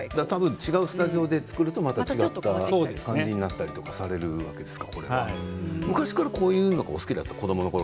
違うスタジオで作ると違う感じになったりとかされるわけですか？